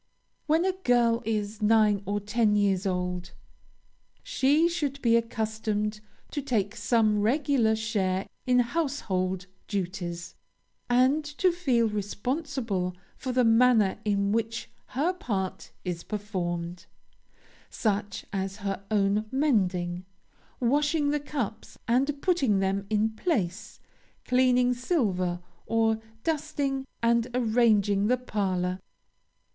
When a girl is nine or ten years old, she should be accustomed to take some regular share in household duties, and to feel responsible for the manner in which her part is performed such as her own mending, washing the cups and putting them in place, cleaning silver, or dusting and arranging the parlor.